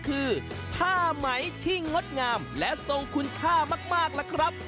คือผ้าไหมที่งดงามและทรงคุณค่ามากล่ะครับ